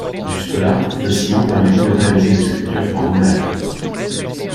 Jusque-là, le ciment permettait de réaliser des sculptures par moulage.